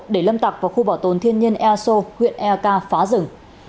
để lâm tạc vào khu bảo tồn thiên nhiên eso huyện ek phá rừng